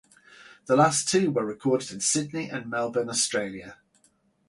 The last two were recorded in Sydney and Melbourne, Australia.